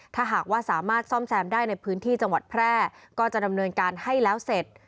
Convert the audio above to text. ถ้าหากว่าสามารถซ่อมแซมได้ในพื้นที่จังหวัดแพร่ก็จะดำเนินการให้แล้วเสร็จ